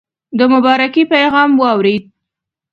د مبارکی پیغام واورېد.